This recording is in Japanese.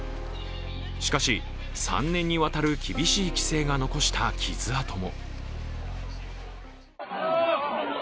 しかし、３年にわたる厳しい規制が残した傷痕も。